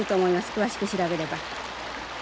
詳しく調べれば。